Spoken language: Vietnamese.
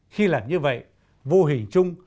khi làm như vậy vô hình chung